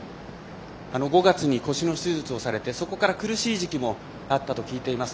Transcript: ５月に腰の手術をされてそこから苦しい時期もあったと聞いています。